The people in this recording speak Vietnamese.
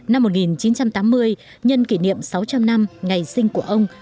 năm một nghìn chín trăm tám mươi nhân kỷ niệm sáu trăm linh năm ngày sinh của ông